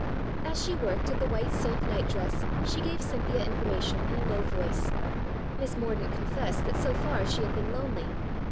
As she worked at the white silk nightdress she gave Cynthia information in a low voice. Miss Mordaunt confessed that so far she had been lonely.